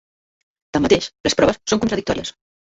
Tanmateix, les proves són contradictòries.